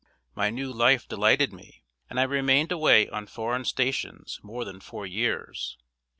My new life delighted me, and I remained away on foreign stations more than four years.